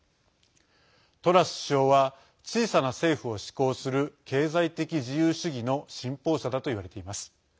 トラス首相は小さな政府を志向する経済的自由主義の信奉者だといわれています。